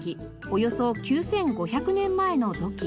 およそ９５００年前の土器。